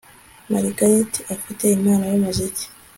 Margaret afite impano yumuziki